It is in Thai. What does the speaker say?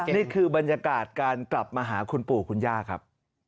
นี่คือบรรยากาศการกลับมาหาคุณปู่คุณย่าครับ